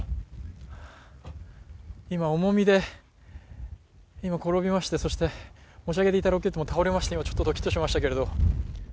今、重みで転びまして、そして持ち上げていたロケットも倒れまして、ちょっとドキッとしましたけど。